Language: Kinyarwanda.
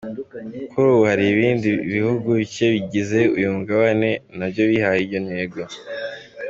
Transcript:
Kuri ubu hari ibindi bihugu bike bigize uyu mugabane na byo byihaye iyo ntego.